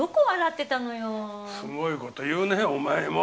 すごい事言うねお前も。